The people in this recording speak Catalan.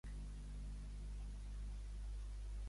Què puc veure "Si no t'hagués conegut" un altre cop?